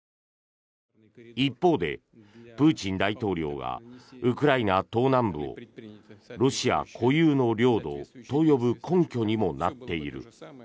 一方で、プーチン大統領がウクライナ東南部をロシア固有の領土と呼ぶ根拠にもなっている。